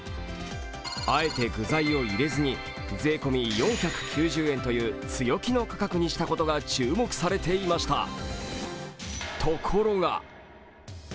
あえて具材を入れずに税込み４９０円という強気の価格にしたことが注目されていました。